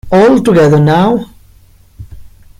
All together now.